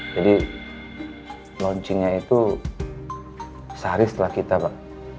jadi launchingnya itu sehari setelah kita pak